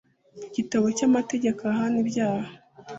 igitabo cy amategeko ahana ibyaha